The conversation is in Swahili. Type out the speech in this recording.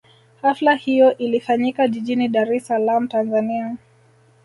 Hafla hiyo ilifanyika jijini Dar es Salaam Tanzania